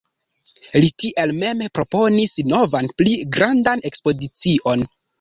Li tial mem proponis novan pli grandan ekspedicion.